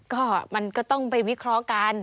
ก็มันก็ต้องไปวิเคราะห์กัน